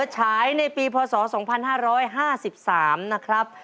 ฉายในปีพศ๒๕๕๓นะครับ